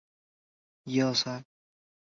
中华抱茎蓼为蓼科蓼属下的一个变种。